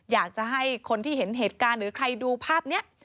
อยากจะให้คนที่เห็นเหตุการณ์หรือใครดูภาพนี้